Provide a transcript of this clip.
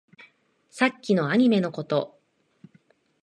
さっきのアニメのこと